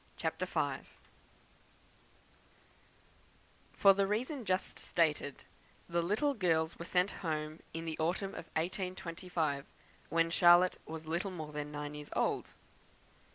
CHAPTER V For the reason just stated, the little girls were sent home in the autumn of 1825, when Charlotte was little more than nine years old.